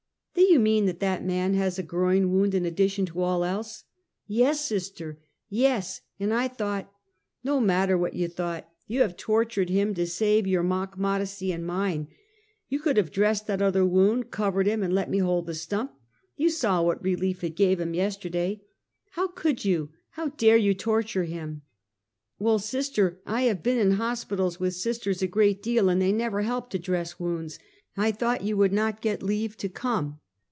" Do you mean that that man has a groin wound in addition to all else?" "Yes, sister! yes! and I thought —"" JSTo matter what you thought, you have tortured him to save your mock modesty and mine. You could have dressed that other wound, covered him, and let me hold the stump. You saw what relief it gave him yesterday. How could you — how dare you torture him?" " Well, sister, I have been in hospitals with sisters a great deal, and they never help to dress wounds. I thought you would not get leave to come.